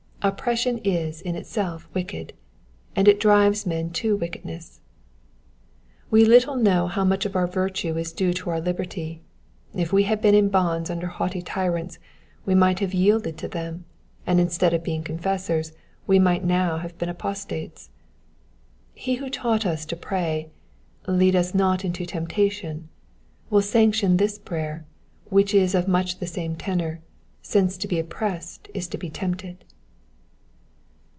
Oppression is in itself ■wicked, and it drives men to wickedness. We little know how much of our virtue is due to our liberty ; if we had been in bonds under haughty tyrants we might have yielded to them, and instead of being confessors we might now have been apostates. He who taught us to pray, " Lead us not into temptation, will sanction this prayer, which is of much the same tenor, since to be oppressed is to be tempted.